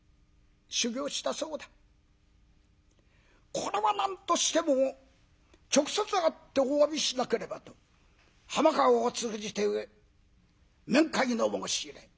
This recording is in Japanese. これは何としても直接会ってお詫びしなければと浜川を通じて面会の申し入れ。